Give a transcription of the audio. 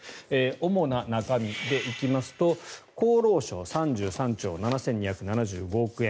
主な中身で行きますと厚労省、３３兆７２７５億円。